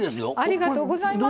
ありがとうございます。